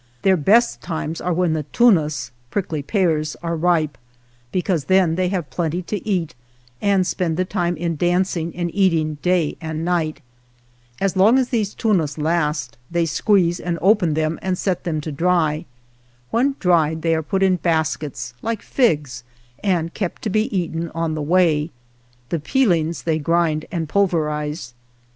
Their best times are when "tunas" (prickly pears) are ripe, because then they have plenty to eat and spend the time in dancing and eating day and night. As long as these tunas last the squeeze and open them and set them to dry. When dried they are put in baskets like 7 figs and kept to be eaten on the way. The peelings they grind and pulverize.